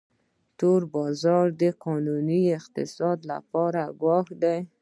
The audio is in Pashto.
تور بازار د قانوني اقتصاد لپاره ګواښ دی